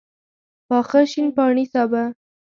پاخه شین پاڼي سابه